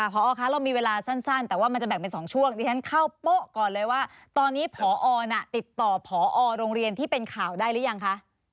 พศเรามีเวลาสั้นแต่ว่ามันจะแบกใน๒ชั่วครูคีพด้วยฉั่นเข้าปึ๊บก่อนเลยว่าตอนนี้พอติดต่อองรุ่งเรียนที่เป็นข่าวได้หรือยังค่ะ